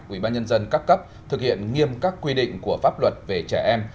ủy ban nhân dân các cấp thực hiện nghiêm các quy định của pháp luật về trẻ em